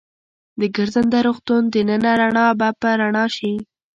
د ګرځنده روغتون دننه رڼا به په رڼا شي.